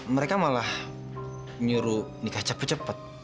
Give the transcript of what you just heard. mereka malah nyuruh nikah cepet cepet